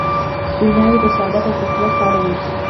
ویناوي د شهادت او تسلیت په اړه وې.